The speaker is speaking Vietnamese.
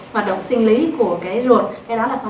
hoạt động sinh lý của cái ruột